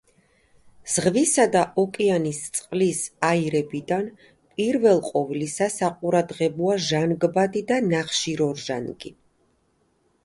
ზღვისა და ოკეანის წყლის აირებიდან პირველ ყოვლისა საყურადღებოა ჟანგბადი და ნახშირორჟანგი.